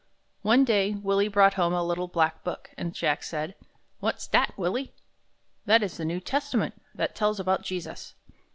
One day Willie brought home a little black book, and Jack said: "What's dat, Willie?" "That is the New Testament, that tells about Jesus."